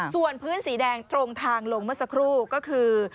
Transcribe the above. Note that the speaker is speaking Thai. ส่วนพื้นสีแดงตรงทางลงเมื่อสักครู่ก็คือ